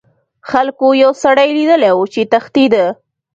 خلکو یو سړی لیدلی و چې تښتیده.